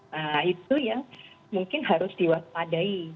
nah itu yang mungkin harus diwaspadai